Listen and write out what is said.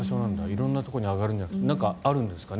色んなところに上がるんじゃなくてあるんですかね。